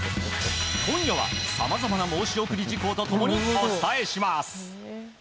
今夜はさまざまな申し送り事項と共にお伝えします。